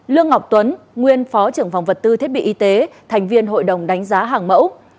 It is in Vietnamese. lương ngọc tuấn nguyên phó trưởng phòng vật tư thiết bị y tế thành viên hội đồng đánh giá hàng mẫu